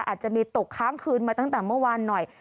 อาจจะมีตกค้างคืนมาตั้งแต่เมื่อวานหน่อย